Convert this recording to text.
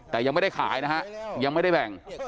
แต่ยังไม่ได้ขายนะฮะยังไม่ได้แบ่ง